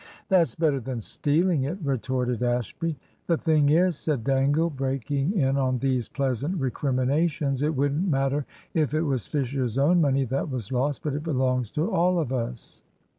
"That's better than stealing it," retorted Ashby. "The thing is," said Dangle, breaking in on these pleasant recriminations, "it wouldn't matter if it was Fisher's own money that was lost. But it belongs to all of us."